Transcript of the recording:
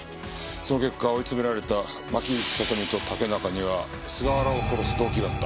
その結果追い詰められた牧口里美と竹中には菅原を殺す動機があった。